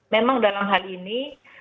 memang dalam hal ini